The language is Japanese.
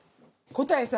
答えさ